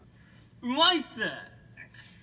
うまいっす！